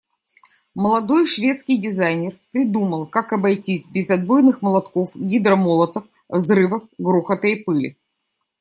Молодой шведский дизайнер придумал, как обойтись без отбойных молотков, гидромолотов, взрывов, грохота и пыли.